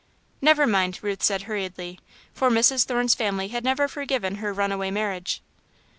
"Never mind," Ruth said, hurriedly, for Mrs. Thorne's family had never forgiven her runaway marriage.